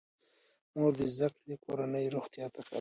د مور زده کړه د کورنۍ روغتیا ته ښه ده.